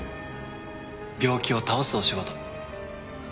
病気を倒すお仕事。